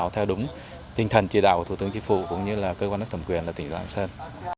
theo đúng tinh thần chỉ đạo của thủ tướng chính phủ cũng như là cơ quan nước thẩm quyền là tỉnh lạng sơn